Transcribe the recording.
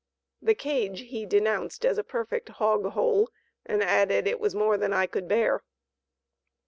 The "cage" he denounced as a perfect "hog hole," and added, "it was more than I could bear."